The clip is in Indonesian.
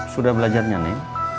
sudah belajar nyanyi